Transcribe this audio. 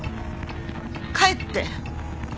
帰って。